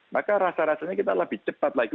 maka rasa rasanya kita lebih cepat lagi